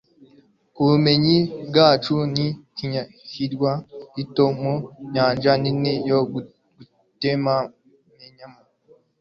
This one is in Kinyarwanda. ubumenyi bwacu ni ikirwa gito mu nyanja nini yo kutamenya